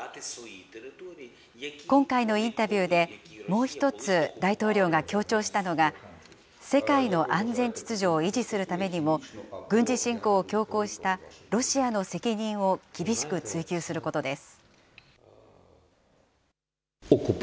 今回のインタビューで、もう一つ、大統領が強調したのが、世界の安全秩序を維持するためにも、軍事侵攻を強行したロシアの責任を厳しく追及することです。